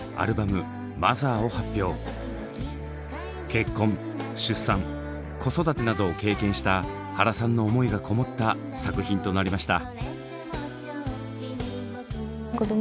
結婚出産子育てなどを経験した原さんの思いがこもった作品となりました。